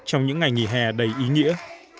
trong những ngày nghỉ hè đầy ý nghĩa